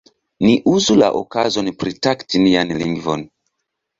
Ni uzu la okazon praktiki nian lingvon!